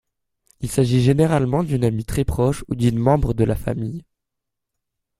Il s'agit généralement d'une amie très proche ou d'une membre de la famille.